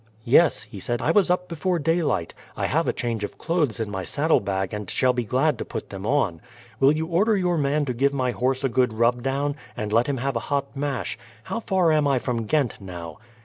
"Yes," he said, "I was up before daylight. I have a change of clothes in my saddlebag, and shall be glad to put them on. Will you order your man to give my horse a good rub down, and let him have a hot mash. How far am I from Ghent now?"